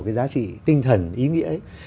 cái giá trị tinh thần ý nghĩa ấy